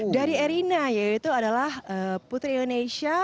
dari erina yaitu adalah putri indonesia